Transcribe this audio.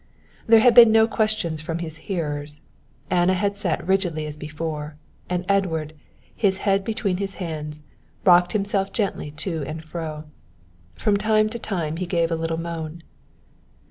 There had been no questions from his hearers. Anna had sat rigidly as before, and Edward, his head between his hands, rocked himself gently to and fro. From time to time he gave a little moan.